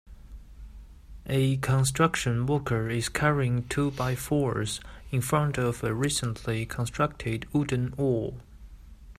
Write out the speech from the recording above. A construction worker is carrying two by fours, in front of a recently constructed wooden wall.